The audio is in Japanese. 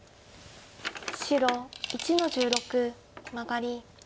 白１の十六マガリ。